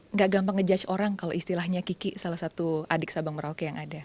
nggak gampang ngejudge orang kalau istilahnya kiki salah satu adik sabang merauke yang ada